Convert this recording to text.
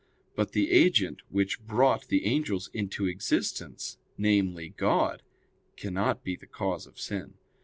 But the agent which brought the angels into existence, namely, God, cannot be the cause of sin.